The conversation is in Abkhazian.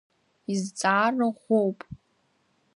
Изҵаара ӷәӷәоуп.